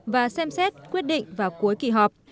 và xem xét quyết định vào cuối kỳ họp